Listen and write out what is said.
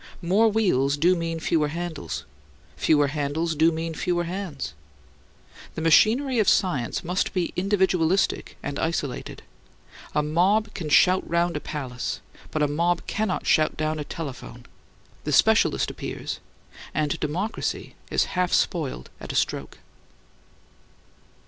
More wheels do mean fewer handles; fewer handles do mean fewer hands. The machinery of science must be individualistic and isolated. A mob can shout round a palace; but a mob cannot shout down a telephone. The specialist appears and democracy is half spoiled at a stroke.